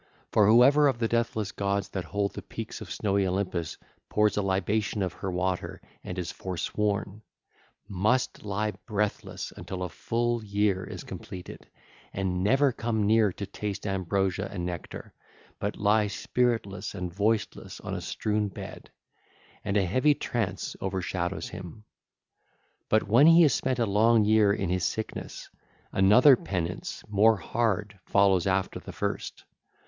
For whoever of the deathless gods that hold the peaks of snowy Olympus pours a libation of her water is forsworn, lies breathless until a full year is completed, and never comes near to taste ambrosia and nectar, but lies spiritless and voiceless on a strewn bed: and a heavy trance overshadows him. But when he has spent a long year in his sickness, another penance and an harder follows after the first.